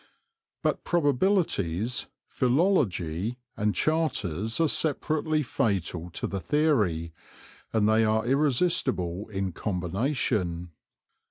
But probabilities, philology, and charters are separately fatal to the theory, and they are irresistible in combination.